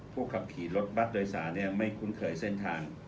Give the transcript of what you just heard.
ขับขี่รถบัตรโดยสารไม่คุ้นเคยเส้นทาง